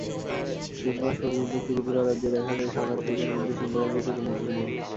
June মাস পর্যন্ত ত্রিপুরা রাজ্যে দেখা যায় শরণার্থীদের মধ্যে সিংহভাগই ছিল মুসলমান।